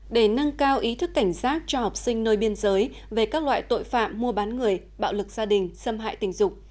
để nâng cao ý thức cảnh giác cho học sinh nơi biên giới về các loại tội phạm mua bán người bạo lực gia đình xâm hại tình dục